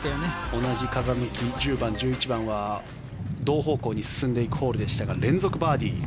同じ風向き１０番、１１番は同方向に進んでいくホールでしたが連続バーディー。